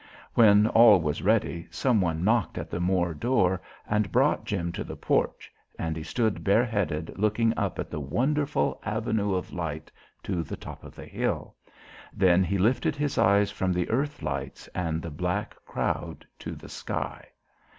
When all was ready some one knocked at the Moore door and brought Jim to the porch and he stood bare headed looking up the wonderful avenue of light to the top of the hill. Then he lifted his eyes from the earth lights and the black crowd to the sky.